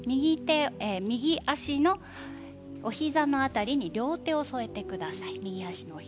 右足のお膝の辺りに両手を添えてください。